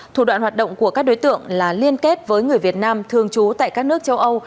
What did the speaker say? thủ đoạn hoạt động của các đối tượng là liên kết với người việt nam thường trú tại các nước châu âu